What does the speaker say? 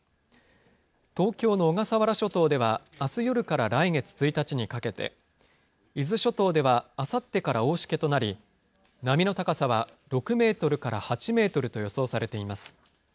東京の小笠原諸島では、あす夜から来月１日にかけて、伊豆諸島ではあさってから大しけとなり、波の高さは６メートルから８メートルと予想されています。